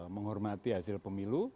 menghormati hasil pemilu